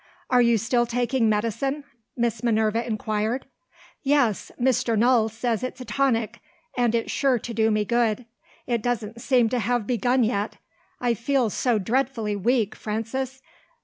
"Are you still taking medicine?" Miss Minerva inquired. "Yes. Mr. Null says it's a tonic, and it's sure to do me good. It doesn't seem to have begun yet. I feel so dreadfully weak, Frances.